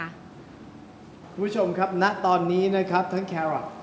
อเจมส์คุณผู้ชมครับณตอนนี้นะครับทั้งลำแฮรอฟ